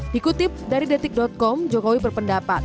dikutip dari detik com jokowi berpendapat